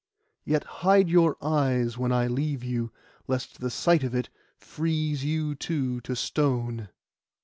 Yet hide your eyes when I leave you, lest the sight of it freeze you too to stone.